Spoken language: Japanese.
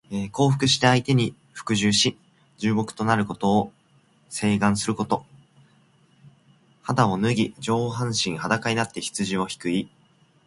降伏して相手に服従し、臣僕となることを請願すること。肌を脱ぎ、上半身裸になって羊をひく意。